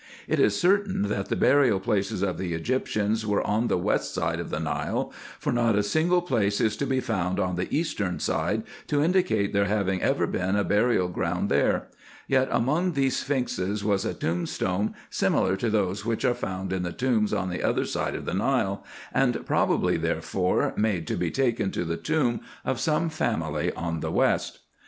It is certain, that the burial places of the Egyptians were on the west side of the Nile, for not a single place is to be found on the eastern side to indicate there having ever been a burial ground there : yet among these sphinxes was a tombstone similar to those which are found in the tombs on the other side of the Nile, and probably, there fore, made to be taken to the tomb of some family on the west.